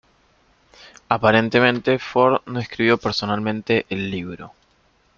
Aparentemente Ford no escribió personalmente el libro.